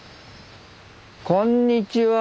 こんにちは。